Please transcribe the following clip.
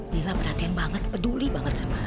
lila perhatian banget peduli banget sama lila